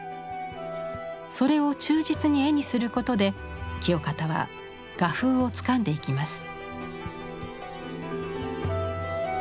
それを忠実に絵にすることで清方は画風をつかんでいきます。